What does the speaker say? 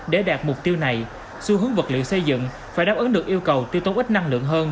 để đạt mục tiêu này xu hướng vật liệu xây dựng phải đáp ứng được yêu cầu tiêu tố ít năng lượng hơn